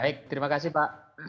baik terima kasih pak